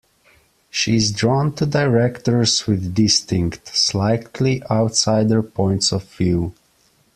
She's drawn to directors with distinct, slightly "outsider" points of view.